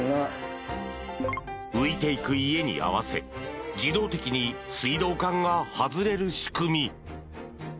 浮いてゆく家に合わせて自動的に水道管が外れる仕組み。